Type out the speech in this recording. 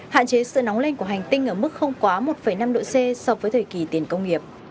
hạn chế sự nóng lên của hành tinh ở mức không quá một năm độ c so với thời kỳ tiền công nghiệp